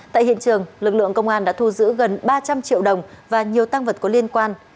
tại hiện trường lực lượng công an đã thu giữ gần ba trăm linh triệu đồng và nhiều tăng vật có liên quan